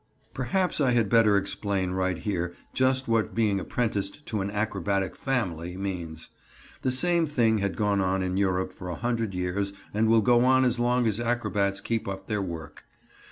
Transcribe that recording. Perhaps I had better explain right here just what being apprenticed to an acrobatic "family" means. The same thing has gone on in Europe for a hundred years and will go on as long as acrobats keep up their work.